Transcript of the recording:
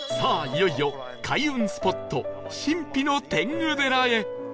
いよいよ開運スポット神秘の天狗寺へ